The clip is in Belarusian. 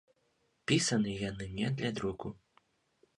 Пісаны яны не для друку.